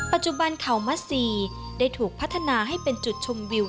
ปัจจุบันเขามัสซีได้ถูกพัฒนาให้เป็นจุดชมวิว